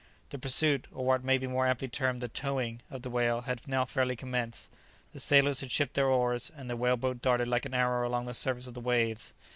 The pursuit, or what may be more aptly termed "the towing," of the whale had now fairly commenced. The sailors had shipped their oars, and the whale boat darted like an arrow along the surface of the waves.